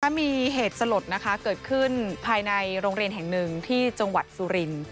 มีเหตุสลดนะคะเกิดขึ้นภายในโรงเรียนแห่งหนึ่งที่จังหวัดสุรินทร์